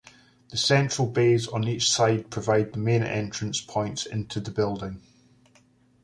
The central bays on each side provide the main entrance points into the building.